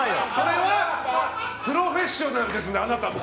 プロフェッショナルですのであなたも。